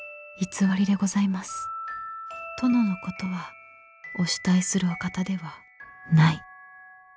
「殿のことはお慕いするお方ではない」。